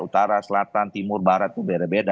utara selatan timur barat itu beda beda